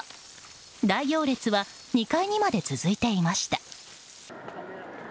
大行列は２階にまで続いていました。